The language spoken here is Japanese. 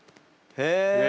へえ！